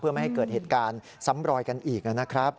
ไม่ให้เกิดเหตุการณ์ซ้ำรอยกันอีกนะครับ